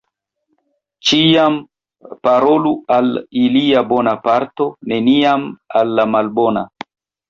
Ĉiam parolu al ilia bona parto, neniam al la malbona.